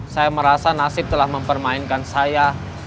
saya merasa nasib telah mempermainkan saya